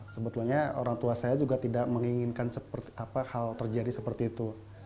sebetulnya orang tua saya juga tidak menginginkan hal terjadi seperti itu